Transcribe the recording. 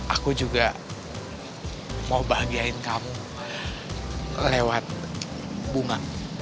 aku juga mau bahagiain kamu lewat bunga